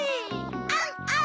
アンアン。